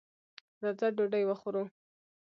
راځه ډوډۍ وخورو.